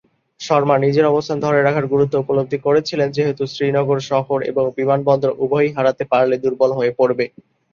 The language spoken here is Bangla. শর্মা নিজের অবস্থান ধরে রাখার গুরুত্ব উপলব্ধি করেছিলেন যেহেতু শ্রীনগর শহর এবং বিমানবন্দর উভয়ই হারাতে পারলে দুর্বল হয়ে পড়বে।